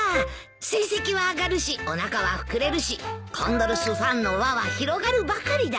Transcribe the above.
成績は上がるしおなかは膨れるしコンドルスファンの輪は広がるばかりだよ。